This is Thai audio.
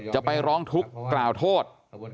จะไปร้องทุกข์กล่าวโทษ